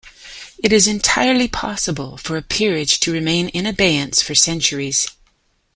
It is entirely possible for a peerage to remain in abeyance for centuries.